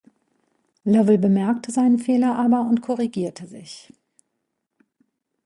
Lovell bemerkte seinen Fehler aber und korrigierte sich.